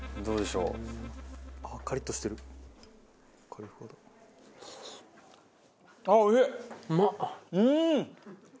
うん！